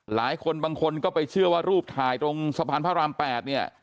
บางคนบางคนก็ไปเชื่อว่ารูปถ่ายตรงสะพานพระราม๘เนี่ย